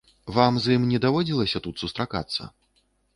Вам з ім не даводзілася тут сустракацца?